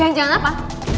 jangan jangan apa